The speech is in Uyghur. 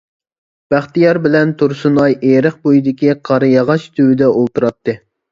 بەختىيار بىلەن تۇرسۇنئاي ئېرىق بويىدىكى قارىياغاچ تۈۋىدە ئولتۇراتتى.